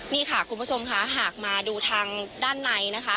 นี่ค่ะคุณผู้ชมค่ะหากมาดูทางด้านในนะคะ